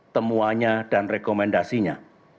temuannya dan rekomendasinya